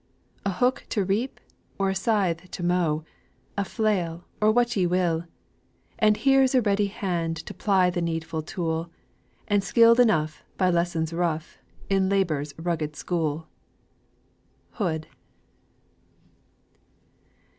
A hook to reap, or a scythe to mow, A flail or what ye will And here's a ready hand To ply the needful tool, And skill'd enough, by lessons rough, In Labour's rugged school." HOOD.